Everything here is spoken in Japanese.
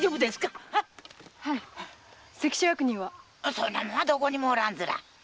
そんなもんはどこにもおらんずら。